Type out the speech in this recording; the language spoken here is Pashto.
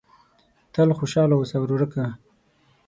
تل خوشاله اوسه ورورکه !